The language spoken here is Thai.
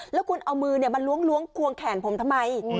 แล้วคุณเอามือมาล้วงควงแขนผมทำไม